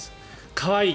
可愛い！